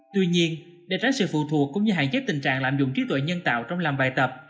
tuy nhiên để tránh sự phụ thuộc cũng như hạn chế tình trạng lạm dụng trí tuệ nhân tạo trong làm bài tập